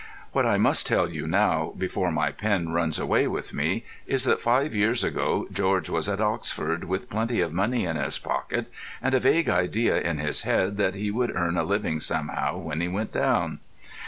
What I must tell you now, before my pen runs away with me, is that five years ago George was at Oxford with plenty of money in his pocket, and a vague idea in his head that he would earn a living somehow when he went down.